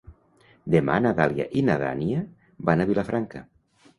Demà na Dàlia i na Nàdia van a Vilafranca.